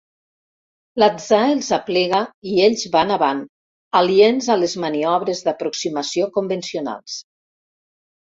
L'atzar els aplega i ells van avant, aliens a les maniobres d'aproximació convencionals.